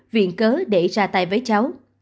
viện cớ để ra tay với cháu